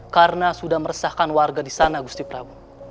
karena sudah meresahkan warga disana gusti prabu